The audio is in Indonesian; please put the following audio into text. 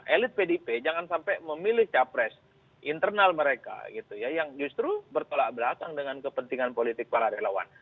elit pdip jangan sampai memilih capres internal mereka gitu ya yang justru bertolak belakang dengan kepentingan politik para relawan